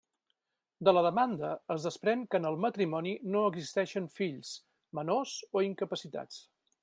De la demanda es desprèn que en el matrimoni no existeixen fills, menors o incapacitats.